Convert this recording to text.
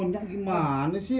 aduh nyak gimana sih